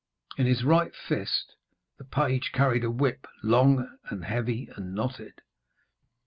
In his right fist the page carried a whip, long and heavy and knotted.